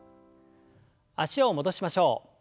脚を戻しましょう。